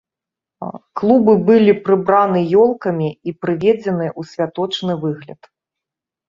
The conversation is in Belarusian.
Клубы былі прыбраны елкамі і прыведзены ў святочны выгляд.